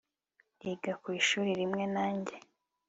Yiga ku ishuri rimwe nanjye